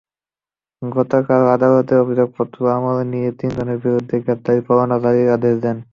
গতকাল আদালত অভিযোগপত্র আমলে নিয়ে তিনজনের বিরুদ্ধে গ্রেপ্তারি পরোয়ানা জারির আদেশ দেন।